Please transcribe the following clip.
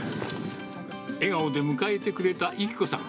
笑顔で迎えてくれた由希子さん。